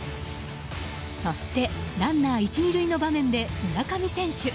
そして、ランナー１、２塁の場面で村上選手。